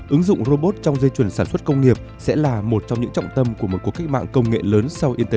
ứng dụng robot trong dây chuẩn sản xuất công nghiệp sẽ là một trong những trọng tâm của một cuộc cách mạng công nghiệp